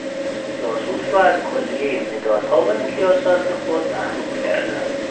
جاسوس را از کلیهی مدالها و امتیازات خود محروم کردند.